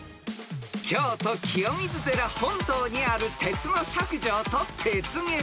［京都清水寺本堂にある鉄の錫杖と鉄下駄］